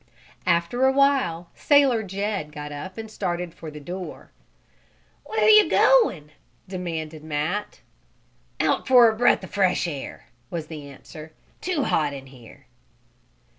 After a while Sailor Jed got up and started for the door. "Where you going?" demanded Matt. "Out for a breath of fresh air," was the answer. "Too hot in here."